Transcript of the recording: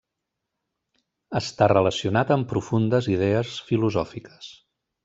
Està relacionat amb profundes idees filosòfiques.